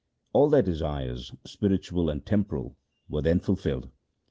All their desires, spiritual and temporal, were then fulfilled.